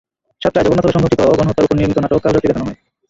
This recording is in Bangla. সাতটায় জগন্নাথ হলে সংঘটিত গণহত্যার ওপর নির্মিত নাটক কালরাত্রি দেখানো হয়।